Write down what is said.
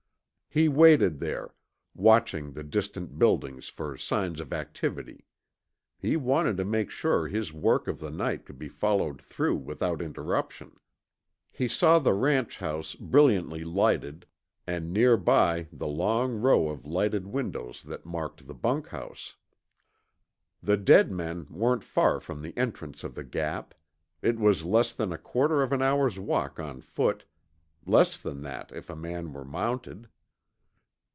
He waited there, watching the distant buildings for signs of activity. He wanted to make sure his work of the night could be followed through without interruption. He saw the ranch house brilliantly lighted, and near by the long row of lighted windows that marked the bunkhouse. The dead men weren't far from the entrance of the Gap; it was less than a quarter of an hour's walk on foot less than that if a man were mounted.